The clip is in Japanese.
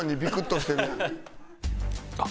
あっ！